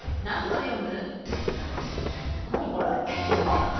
何と読む？